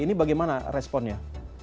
ini bagaimana responnya